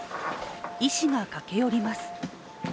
医師が駆け寄ります。